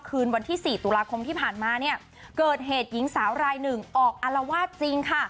คืนวันที่๔ตุลาคมที่ผ่านมาเนี่ยเกิดเหตุหญิงสาวรายหนึ่งออกอารวาสจริงค่ะ